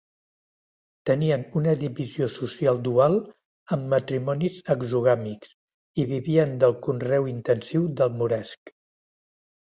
Tenien una divisió social dual amb matrimonis exogàmics, i vivien del conreu intensiu del moresc.